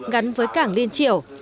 gắn với cảng liên triểu